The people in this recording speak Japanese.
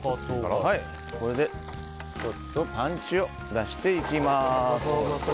これでちょっとパンチを出していきます。